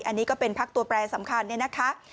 อันนี้ก็เป็นพักตัวแปรสำคัญเนี่ยนะคะ